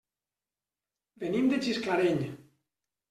Venim de Gisclareny.